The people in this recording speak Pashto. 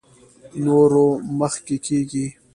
نورو مخکې کېږي.